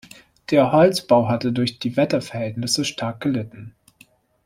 Der Holzbau hatte durch die Wetterverhältnisse stark gelitten.